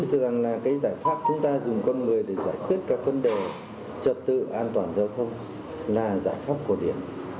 tôi rằng là cái giải pháp chúng ta dùng con người để giải quyết các vấn đề trật tự an toàn giao thông là giải pháp cổ điển